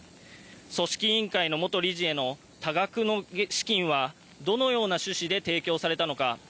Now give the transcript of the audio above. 組織委員会の元理事への多額の資金はどのような趣旨で提供されたのか。